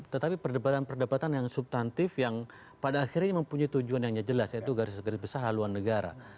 tetapi perdebatan perdebatan yang subtantif yang pada akhirnya mempunyai tujuan yang jelas yaitu garis garis besar haluan negara